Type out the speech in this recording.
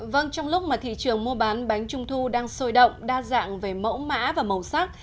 vâng trong lúc mà thị trường mua bán bánh trung thu đang sôi động đa dạng về mẫu mã và màu sắc